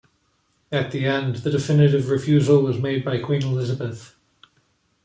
At the end, the definitive refusal was made by Queen Elizabeth.